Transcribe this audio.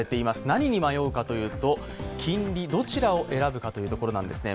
何に迷うかというと金利、どちらを選ぶかというところなんですね。